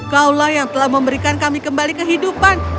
kaulah yang telah memberikan kami kembali kehidupan